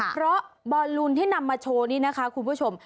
เพราะบอลลูนที่นำมาโชว์นี่นะคะคุณผู้ชม